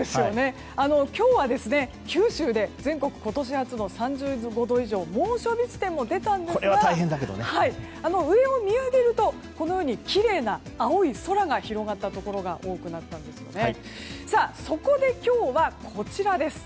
今日は九州で全国、今年初の３５度以上猛暑日地点も出たんですが上を見上げるとこのようにきれいな青い空が広がったところが多くなったんですよね。